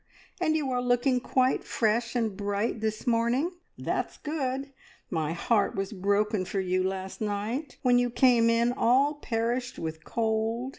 And you are looking quite fresh and bright this morning that's good! My heart was broken for you last night, when you came in all perished with cold.